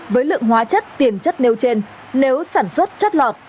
với lượng hóa chất tiền chất nêu trên nếu sản xuất chất lọt